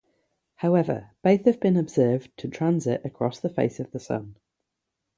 However, both have been observed to transit across the face of the Sun.